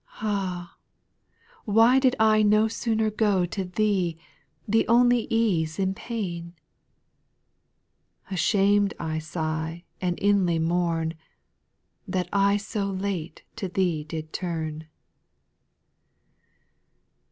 Ah I why did I no sooner go To Thee, the only ease in pain ? Ashamed I sigh and inly mourn, That I so late to Thee did turn.